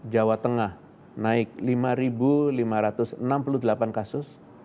jawa tengah naik lima lima ratus enam puluh delapan kasus